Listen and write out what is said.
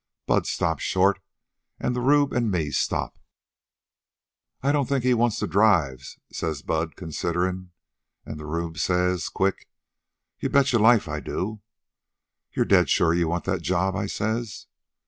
Bud stops short, and the rube an' me stop. "'I don't think he wants to drive,' Bud says, considerin'. An' the rube says quick, 'You betcher life I do.' 'You're dead sure you want that job?' I says.